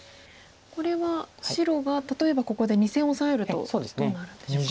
これは白が例えばここで２線オサえるとどうなるんでしょうか。